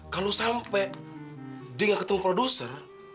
kalau sampai dia gak ketemu produser